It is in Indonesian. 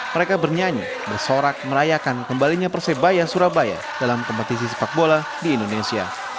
mereka bernyanyi bersorak merayakan kembalinya persebaya surabaya dalam kompetisi sepak bola di indonesia